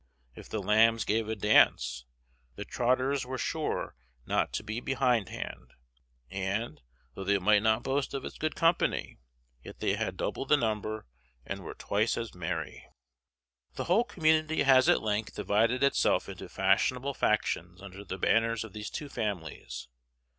If the Lambs gave a dance, the Trotters were sure not to be behindhand; and, though they might not boast of as good company, yet they had double the number and were twice as merry. The whole community has at length divided itself into fashionable factions under the banners of these two families.